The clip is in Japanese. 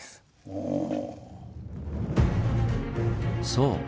そう！